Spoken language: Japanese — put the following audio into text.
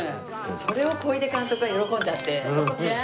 それを小出監督が喜んじゃって。